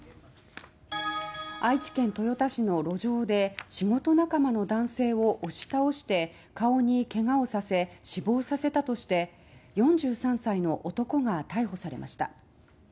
愛知県豊田市の路上で仕事仲間の男性を押し倒して顔に怪我をさせ死亡させたとして４３歳の男が逮捕されました。